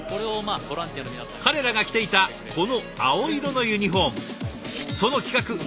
彼らが着ていたこの青色のユニフォーム。